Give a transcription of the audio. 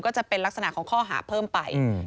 ก็จะเป็นลักษณะของข้อหาเพิ่มไป